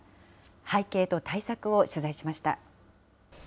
背景と対策を取材しました。